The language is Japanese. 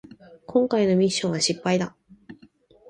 こんかいのミッションは失敗だ